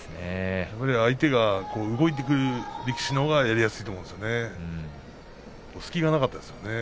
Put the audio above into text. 相手が動いてくる力士のほうがやりやすいと思うんですね。